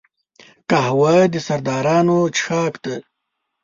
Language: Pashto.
قهوه د سردارانو څښاک دی